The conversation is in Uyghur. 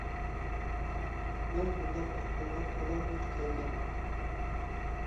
مەن بۇنداق ئەھۋالغا تولا دۇچ كەلگەن.